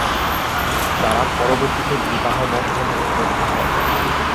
তারা পরবর্তীতে বিবাহ বন্ধনে আবদ্ধ হন।